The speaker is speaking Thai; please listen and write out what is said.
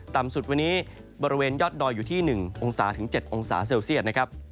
ต่ำสุดวันนี้บริเวณยอดดอยอยู่ที่๑องศาถึง๗องศาเซลเซียตนะครับ